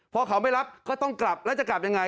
พอเขาไม่รับก็ต้องกลับแล้วจะกลับยังไง